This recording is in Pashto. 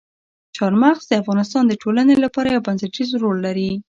چار مغز د افغانستان د ټولنې لپاره یو بنسټيز رول لري.